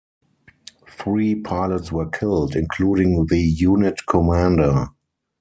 Three pilots were killed, including the unit commander.